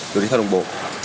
đội thể thao đồng bộ